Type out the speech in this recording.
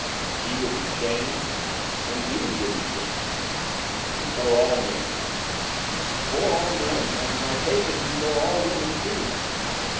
'He would be shamed?' 'Indeed he would be shamed.' 'Before all men?' 'Before all men, and, I take it, before all women too.